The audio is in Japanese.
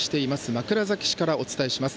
枕崎市からお伝えします。